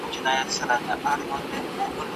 بهرنی سیاست د ملي ګټو ساتونکی دی.